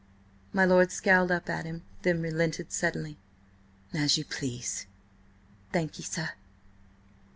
My lord scowled up at him, then relented suddenly. "As you please." "Thank ye, sir."